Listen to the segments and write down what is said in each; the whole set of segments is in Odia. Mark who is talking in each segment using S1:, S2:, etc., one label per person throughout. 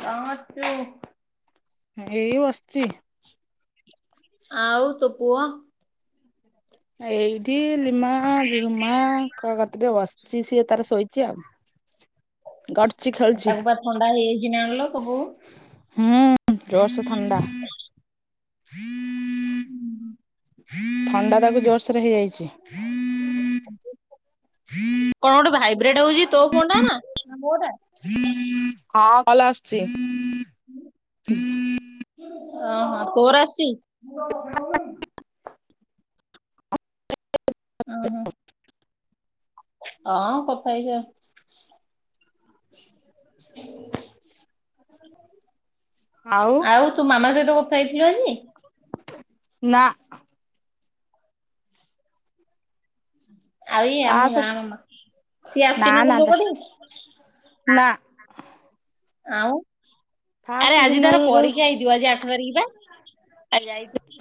S1: କଣ କରୁଛୁ?
S2: ଏଇ ବସିଛି।
S1: ଆଉ ତୋ ପୁଅ
S2: ଏଇଠି ଲିମା-ଆ-ଆ, ରୁମା-ଆ କ କ ଟିକେ ବସିଛି ସିଏ ତାର ଶୋଇଛି ଆଉ। ଗଡୁଛି ଖ
S1: ଉ ତାକୁ ପା ଥଣ୍ଡା ହେଇଯାଇଚି ନା କଣ ଲୋ ତୋ ବୋଉ
S2: ହୁଁ ଜୋରସ ଥଣ୍ଡା।
S1: ହୁଁ।
S2: ଥଣ୍ଡା ତାକୁ ଜୋରସୋରେ ହେଇଯାଇଚି।
S1: କଣ ଗୋଟେ ଭାଇବ୍ରେଡ ହଉଛି ତୋ ଫୋନଟା ନା ମୋଟା।
S2: ହଁ କଲଲ ଆସୁଚି।
S1: ହଁ ହଁ ତୋର ଆସୁଚି? ଉଁ ହୁଁ। ହଁ କଥା ହେଇଯା।
S2: କ
S1: ଆଉ ତୁ ମାମା ସହିତ କଥା ହେଇଥିଲୁ ଆଜି।
S2: ନା।
S1: ଆଇ
S2: ତା
S1: ଆମ ଗାଁ
S2: ସହିତ
S1: ର ମା।
S2: ନାଁ।
S1: ଆଉ ଆରେ
S2: ଫାଷ୍ଟ
S1: ଆଜି ତାର
S2: ଦିନରୁ ଯୋଉ
S1: ପରୀକ୍ଷା ହେଇଥିବ ଆଜି ଆଠ ତାରିଖି ବା ଆ ଯାଇଥି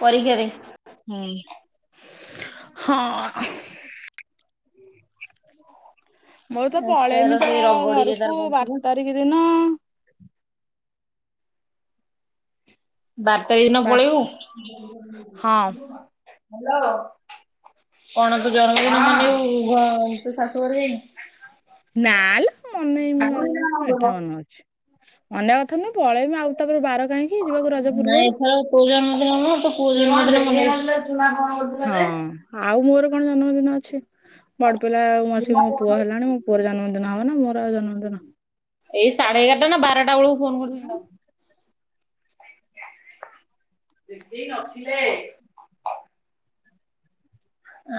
S1: ପରୀକ୍ଷା ରେ
S2: ହୁଁ ହଁ। ମୁଁ ତ
S1: ତାର
S2: ପଳେଇମି ତ
S1: ସେଇ ରଗଡିରେ ତାର
S2: ଘରକୁ
S1: ପଡୁଚି
S2: ବାର
S1: ପା
S2: ତାରିଖ ଦିନ।
S1: ବାର ତାରିଖ ଦିନ ପଳେଇବୁ।
S2: ବାର ହଁ
S1: କଣ ତ [unintelligible] ତୋ ଶାଶୁ କରି ଯାଇନି।
S2: ନାଲୋ ମନେଇମି [unintelligible] ଅନ୍ୟ କଥା ନୁହେଁ ପଳେଇମି ଆଉ ତାପରେ ବାର କାହିଁକି? ଯିବାକୁ ରଜ
S1: ନାଇଁ
S2: ପୂର୍ବରୁ
S1: ଏଥର ତୋଉ ଜଣ [unintelligible]
S2: ହଁ ଆଉ ମୋର କଣ ଜନ୍ମଦିନ ଅଛି ବଡ ପିଲା ଆଉ ମସ ମୋ ପୁଅ ହେଲାଣି ମୁଁ ପୁଅର ଜନ୍ମଦିନ ହବ ନା ମୋର ଆଉ ଜନ୍ମ ଦିନ
S1: ଏଇ ସାଢେ ଏଗାରଟା ନା ବାରେଟା ବେଳକୁ ଫୋନ କରିଥିଲି ହେଟାକୁ। [inaudible]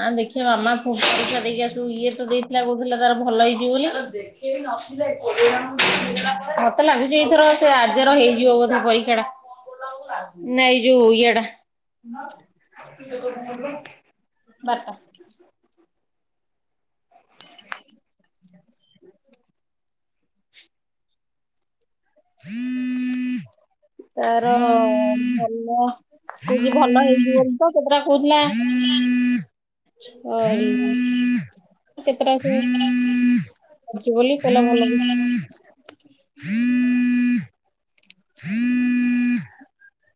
S1: ଆଁ ଦେଖିବା ମାମା ପୁ ପଇସା ଦେଇକି ଆସିବୁ ଇଏ ତ ଦେଇଥିଲା କହୁଥିଲେ ତାର ଭଲ ହେଇଯିବ ବୋଲି। ମତେ ଲାଗୁଚି ଏଇଥର ସେ ଆର୍ଯ୍ୟ ହେଇଯିବ ବୋଧେ ପରୀକ୍ଷା ଟା। ନାଁ ଏ ଯଉ ଇଏଡା। ବାଟ।
S2: [inaudible]
S1: ତାର ଭଲ କହୁ କି ଭଲ ହେଇଯିବ ବୋଲି ତ ସେତେଟା କହୁଥିଲା କେତେଟା ସେ ଅଛି ବୋଲି କହିଲା ଭଲ ହେଇ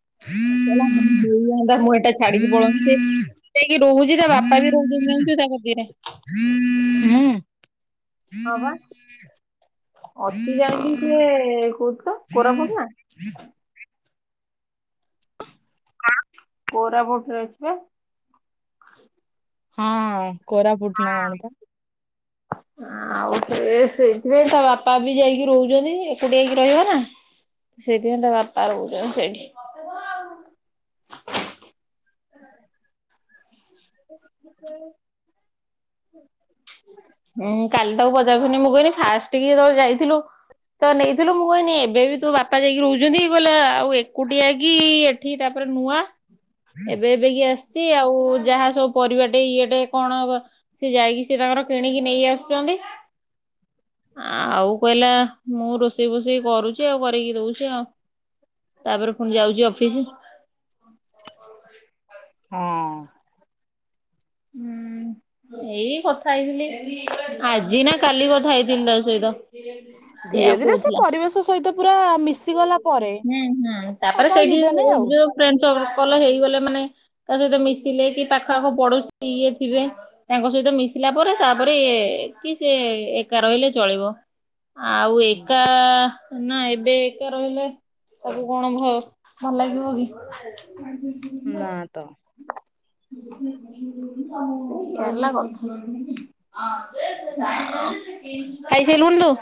S2: [inaudible]
S1: ହେଲା ହେଇଯାଆନ୍ତା ମୁଁ ଏଇଟା ଛାଡିକି ପଳନ୍ତି ଆ ବି [unintelligible] ତା କତିରେ।
S2: [inaudible]
S1: ଅଛି ଯାଇକି ସିଏ କୋଉଠିତ କୋରାପୁଟ ନା? କୋରାପୁଟ ରେ ଅଛି ବା।
S2: ହଁ କୋରାପୁଟ ନା କଣ ପା?
S1: ଆଉ ଫେରେ ସେଇଥିପାଇଁ ତା ବାପା ବି ଯାଇକି ରହୁଛନ୍ତି ଏକୁଟିଆ ଯାଇକି ରହିହବନା। ସେଇଥିପାଇଁ ତା ବାପା ରହୁଚନ୍ତି ସେଇଠି। ମତେ ତ ଆଉ
S2: [unintelligible]
S1: ହୁଁ କାଲି ତାକୁ ପଚାରୁଥିନି ମୁଁ କହିଲି ଫାଷ୍ଟ କି ଯେତେବେଳେ ଯାଇଥିଲୁ ତ ନେଇଥିଲୁ ମୁଁ କହିନି ଏବେ ବି ତୋ ବାପା ଯାଇକି ରହୁଛନ୍ତି କହିଲା ଆଉ ଏକୁଟିଆ କି ଏଠି ତାପରେ ନୂଆ। ଏବେ ଏବେ କି ଆସିଛି ଆଉ ଯାହା ସବୁ ପରିବା ଟେ ଇଏ ଟେ କଣ ସେ ଯାଇକି ସେ ତାଙ୍କର କିଣିକି ନେଇ ଆସୁଛନ୍ତି। ଆଉ କହିଲା ମୁଁ ରୋଷେଇ ଫୋଷେଇ କରୁଛି ଆଉ କରିକି ଦଉଛି ଆଉ। ତାପରେ ପୁଣି ଯାଉଛି ଅଫିସ। [unintelligible]
S2: ହଁ।
S1: ହୁଁ। ଏଇ କଥା ହେଇଥିଲି ଆଜି ନା କାଲି କଥା ହେଇଥିଲି ତା ସହିତ। ସେ
S2: ଧୀରେ
S1: ଆଉ
S2: ଧୀରେ
S1: କହୁଥିଲା
S2: ପରିବେଶ ସହିତ ପୁରା ମିଶିଗଲା ପରେ
S1: ହୁଁ ହୁଁ ତାପରେ
S2: ବାପା ଆଉ
S1: ସେଇଠି
S2: ଯିବେନି ଆଉ।
S1: ଯୋଉ ଫ୍ରେଣ୍ଡ ସର୍କଲ ହେଇଗଲେ ମାନେ ତା ସହିତ ମିଶିଲେ କି ପାଖଆଖ ପଡୋଶୀ ଇଏ ଥିବେ। ତାଙ୍କ ସହିତ ମିଶିଲା ପରେ ତାପରେ କି ସେ ଏକା ରହିଲେ ଚଳିବ। ଆଉ ଏକା ନା ଏବେ ଏକା ରହିଲେ ତାକୁ କଣ ଭ ଭଲ ଲାଗିବ କି।
S2: ନା ତ।
S1: ହେଲା କଥା। ଖାଇସାରିଲୁଣୀ ତୁ?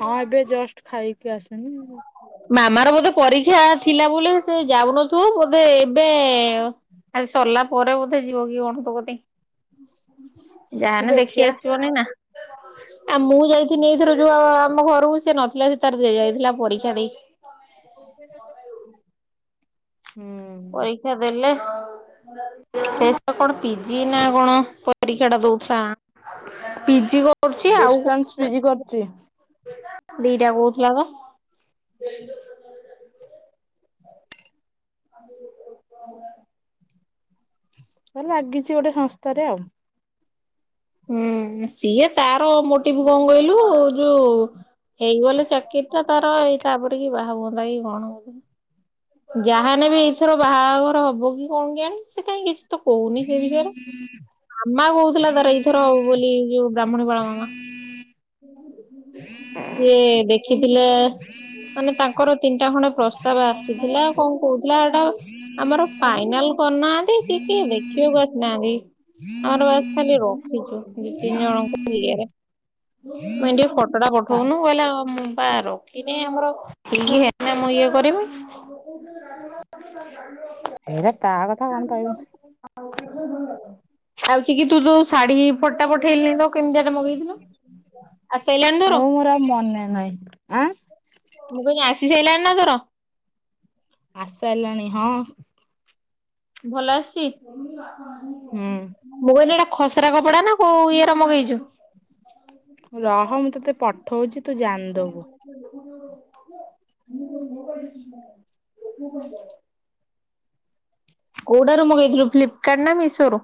S2: ହଁ, ଏବେ ଜଷ୍ଟ ଖାଇକି ଆସିନି।
S1: ମାମାର ବୋଧେ ପରୀକ୍ଷା ଥିଲା ବୋଲି ସେ ଯାଉନଥିବ ବୋଧେ ଏବେ ଆ ସରିଲା ପରେ ବୋଧେ ଯିବ କି କଣ ତୋକତି ଯାହେନେ ଦେଖି
S2: ଦେଖିଆ
S1: ଆସିବନି ନା। ଆ ମୁଁ ଯାଇଥିନି ଏଇଥର ଯୋଉ ଆମ ଘରକୁ ସେ ନଥିଲା ସେ ତାର ଯାଇଥିଲା ପରୀକ୍ଷା ଦେଇ।
S2: [unintelligible] ହୁଁ।
S1: ପରୀକ୍ଷା ଦେଲେ ସେ କଣ ପିଜି ନା କଣ ପରୀକ୍ଷାଟା ଦେଉଥିଲା। ପିଜି କରୁଛି ଆଉ
S2: ଡିଷ୍ଟାନ୍ସ ପିଜି
S1: [inaudible]
S2: କରୁଛି
S1: ଦିଟା କହୁଥିଲା ବା। [unintelligible]
S2: ଲାଗିଛି ଗୋଟେ ସଂସ୍ଥାରେ ଆଉ।
S1: ହୁଁ ସିଏ ତାର ମୋଟିଭ କଣ କହିଲୁ ଯୋଉ ହେଇଗଲେ ଚାକିରି ଟା ତାର ଏଇ ତାପରେ କି ବାହା ହୁଅନ୍ତା କି କଣ ବୋଧେ। ଯାହାନେ ବି ଏଇଥର ବାହାଘର ହବ କି କଣ କିଆଣି ସେ କାହିଁକ କିଛି ତ କହୁନି ସେ ବିଷୟରେ, ମାମା କହୁଥିଲା ତାର ଏଇଥର ବୋଲି ଯୋଉ ବ୍ରାହ୍ମଣୀ ପାଳ ମାମା। [unintelligible]
S2: [unintelligible]
S1: ସିଏ ଦେଖିଥିଲେ ମାନେ ତାଙ୍କର ତିନିଟା ଖଣ୍ଡେ ପ୍ରସ୍ତାବ ଆସିଥିଲା କଣ କହୁଥିଲା ଏଟା ଆମର ଫାଇନାଲ କରିନାହାନ୍ତି, କି କିଏ ଦେଖିବାକୁ ଆସିନାହାନ୍ତି। ଆମର ବାସ ଖାଲି ରଖିଛୁ ଦି ତିନି ଜଣଙ୍କୁ ଇଏରେ। ମୁ କହିନି ଟିକେ ଫଟୋଟା
S2: ତା
S1: ପଠଉନୁ କହିଲା ମୁଁ ପା ରଖିନି ଆମର [unintelligible]
S2: ହେରା ତା କଥା କଣ ପାଇବୁ।
S1: [unintelligible] ଶାଢୀ ଫଟୋଟା ପଠେଇଲୁ ନେହିତ କେମିତିଆଟେ ମଗେଇଥିଲୁ। ଆସିଲାଣି ତୋର,
S2: ହଉ ମୋର ଆଉ ମନେ ନାହିଁ। ଆଁ
S1: ମୁଁ କିହିଲି ଆସି ସାରିଲାଣି ନା ତୋର।
S2: ଆସିସାରିଲାଣି, ହଁ।
S1: ଭଲ ଆସିଚି। ମୁଁ କହିଲି ଏଇଟା ଖସରା କପଡ଼ାନା କଉ ଇଏରେ ମଗେଇଚୁ।
S2: ରହ ମୁଁ ତୋତେ ପଠଉଚି ତୁ ଜାଣିଦବୁ।
S1: [unintelligible] କୋଉଟାରୁ ମଗାଇଥିଲୁ ଫ୍ଲିପକାରାର୍ଟ ନା ମିଶୋରୁ?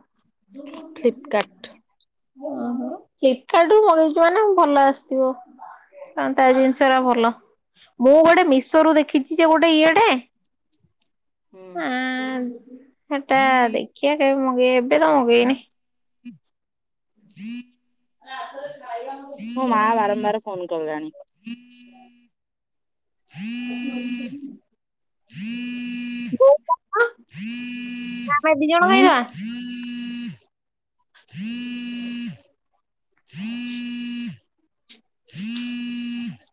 S2: ଫ୍ଲିପକାର୍ଟ୍।
S1: ଓହୋ ଫ୍ଲିପକାର୍ଟ୍ ମଗେଇଚୁମାନେ ଭଲ ଆସିଥିବ। ନା ତାଜିନିଷରା ଭଲ, ମୁଁ ଗୋଟେ ମିଶୋରୁ ଦେଖିଚି ଯେ ଗୋଟେ ଇଏଟେ [inaudible]
S2: ହୁଁ
S1: ଅଁ ହେଟା ଦେଖିଆ କେବେ ମଗେଇ ଏବେତ ମଗେଇନି।
S2: [inaudible]
S1: [unintelligible]
S2: ମୋ ମା ବାରମ୍ବାର ଫୋନ୍ କଲାଣି।
S1: [unintelligible] ଆମେ ଦି
S2: ଉଁ।
S1: ଜଣ ଖାଇଦବା।
S2: [inaudible]
S1: [inaudible]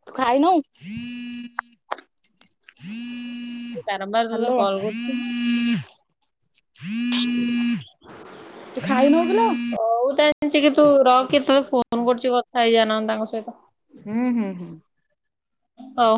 S2: ତୁଖାଇନୁ?
S1: ସେ ବାରମ୍ବାର ତୋତେ
S2: ହ୍ୟାଲୋ
S1: କଲ୍ କରୁଚନ୍ତି।
S2: ତୁ ଖାଇନୋହୁ କିିଲୋ।
S1: ହଉ ତାହେନେ ଚିକିତୁ ରଖେ ତେତେ ଫୋନ୍‌ କରୁଚି କଥା ହେଇଯା ନହେଲେ ତାଙ୍କ ସହିତ।
S2: ହୁଁ ହୁଁ ହୁଁ
S1: ହଉ।